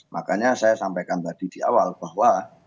makanya saya sampaikan tadi di awal bahwa